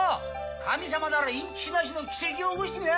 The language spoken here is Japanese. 神様ならインチキなしの奇跡を起こしてみな！